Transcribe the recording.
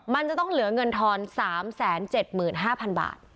มันจะต้องเหลือเงินทอน๓๗๕๐๐๐บาท